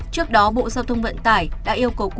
trước đó bộ giao thông vận tải đã yêu cầu